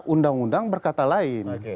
undang undang berkata lain